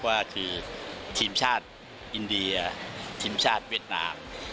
ว่าคือทีมชาติอินเดียทีมชาติเวียดนาม